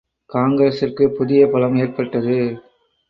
காங்கிரசிற்குப் புதிய பலம் ஏற்பட்டது.